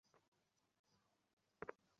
না, আমি দেখিনি।